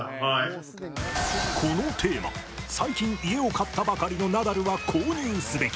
このテーマ最近家を買ったばかりのナダルは購入すべき。